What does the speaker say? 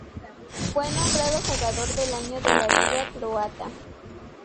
Fue nombrado jugador del año de la liga Croata.